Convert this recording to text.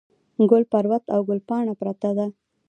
ګل پروت او ګل پاڼه پرته ده.